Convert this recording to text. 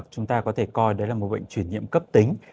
chúng ta có thể coi đấy là một bệnh chuyển nhiễm cấp tính